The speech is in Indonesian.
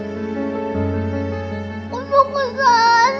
aku mau kesana